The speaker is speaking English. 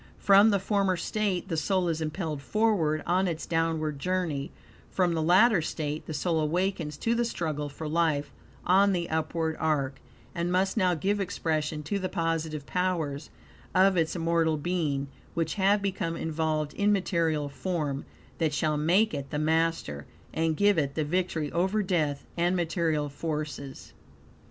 From the former state the soul is impelled forward on its downward journey; from the latter state the soul awakens to the struggle for life on the upward are; and must now give expression to the positive powers of its immortal being, which have become involved in material form; that shall make it the master, and give it the victory over death and material forces.